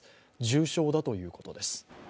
重傷だということです。